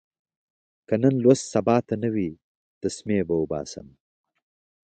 که نن لوست سبا ته ونه وي، تسمې به اوباسم.